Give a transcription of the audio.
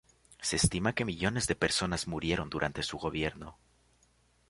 Se estima que millones de personas murieron durante su gobierno.